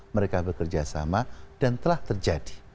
mereka bekerja sama dan telah terjadi